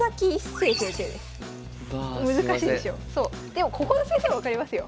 でもここの先生は分かりますよ。